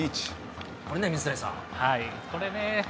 これね、水谷さん。